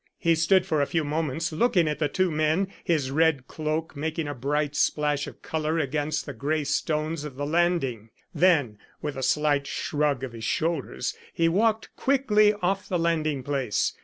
He stood for a few moments looking at the two men, his red cloak making a bright splash of colour against the grey stones of the landing. Then, with a slight shrug of his shoulders, he walked quickly off the landing place.